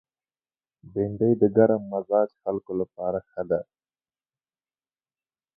بېنډۍ د ګرم مزاج خلکو لپاره ښه ده